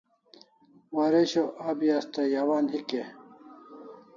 Waresho o abi asta yawan hik e?